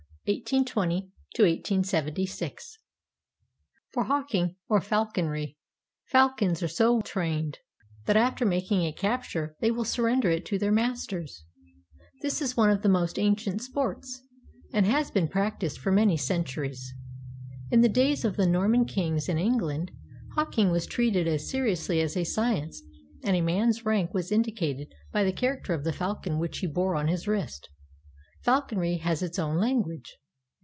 1820 1876) For hawking, or falconry, falcons are so trained that after making a capture they will surrender it to their masters. This is one of the most ancient sports, and has been prac ticed for many centuries. In the days of the Norman kings in England, hawking was treated as seriously as a science, and a man's rank was indicated by the character of the falcon which he bore on his wrist. Falconry has its own language.